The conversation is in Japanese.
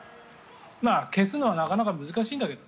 消すのはなかなか難しいんだけどね。